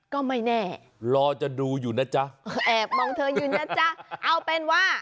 ก็ไม่แน่รอจะดูอยู่นะจ๊ะแอบมองเธออยู่นะจ๊ะเอาเป็นว่า